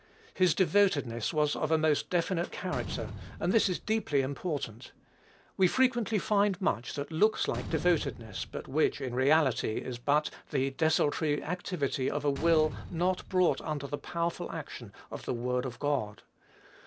His devotedness was of a most definite character; and this is deeply important. We frequently find much that looks like devotedness, but which, in reality, is but the desultory activity of a will not brought under the powerful action of the word of God.